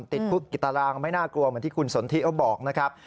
ติดคุกกิตรรางไม่น่ากลัวอย่างที่คุณสนธิก็บอกนะครับ